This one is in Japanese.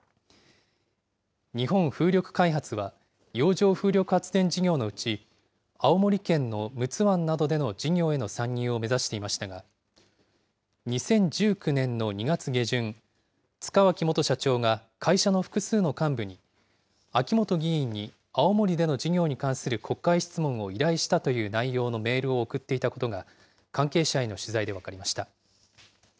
日本風力開発は、洋上風力発電事業のうち、青森県の陸奥湾などでの事業への参入を目指していましたが、２０１９年の２月下旬、塚脇元社長が会社の複数の幹部に、秋本議員に、青森での事業に関する国会質問を依頼したという内容のメールを送っていたことが、関係者への取材で分かりました。